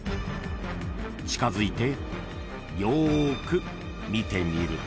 ［近づいてよーく見てみると］